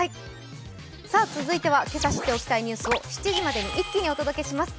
続いてはけさ知っておきたいニュースを７時までに一気にお届けします。